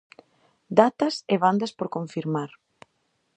Datas e bandas por confirmar.